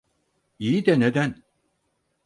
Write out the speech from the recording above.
İyi de neden?